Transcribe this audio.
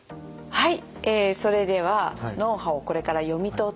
はい。